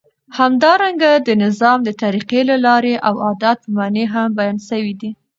همدارنګه د نظام د طریقی، لاری او عادت په معنی هم بیان سوی دی.